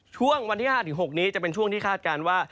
ช่วงวันที่๕๖นี้จะเป็นช่วงที่คาดการณ์ว่า